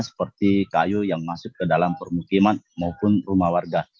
seperti kayu yang masuk ke dalam permukiman maupun rumah warga